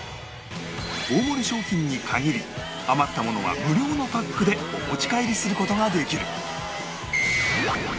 大盛り商品に限り余ったものは無料のパックでお持ち帰りする事ができる